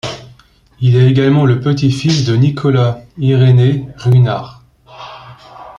Il est également le petit-fils de Nicolas Irénée Ruinart.